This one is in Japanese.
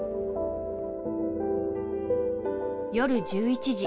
夜１１時。